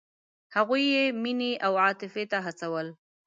هغوی یې مینې او عاطفې ته هڅول.